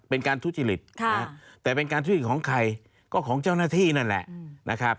เป็นการทุจริตแต่เป็นการทุจริตของใครก็ของเจ้าหน้าที่นั่นแหละนะครับ